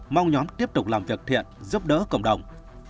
mong nhóm tiếp tục làm việc thiện giúp đỡ cộng đồng